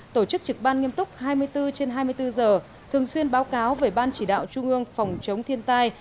tổ chức trực ban nghiêm túc hai mươi bốn trên hai mươi bốn giờ thường xuyên báo cáo về ban chỉ đạo trung ương phòng chống thiên tai